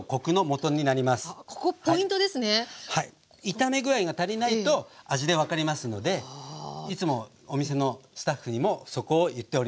炒め具合が足りないと味で分かりますのでいつもお店のスタッフにもそこを言っております。